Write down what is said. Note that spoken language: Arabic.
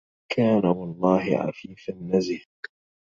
كان والله عفيفا نزها